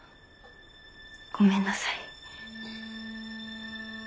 ごめんなさい。